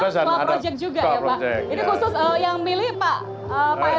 nanti juga ada god bless dan co project juga ya pak